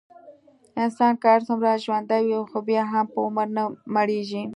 انسان که هرڅومره ژوندی وي، خو بیا هم په عمر نه مړېږي.